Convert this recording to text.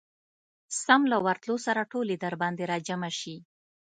سم له ورتلو سره ټولې درباندي راجمعه شي.